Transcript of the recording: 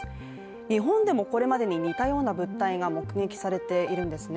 日本でもこれまでに似たような物体が目撃されているんですね。